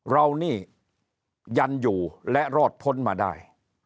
เรานี่ยันอยู่และรอดพ้นมาได้